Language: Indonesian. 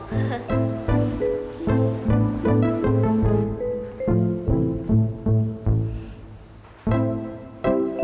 ya makasih ya